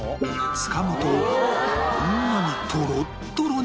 つかむとこんなにトロットロに